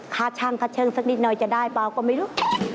ค้าช่างค้าเชิงสักนิดหน่อยจะได้มาก็ไม่รู้